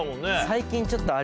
最近。